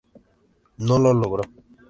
No lo logró.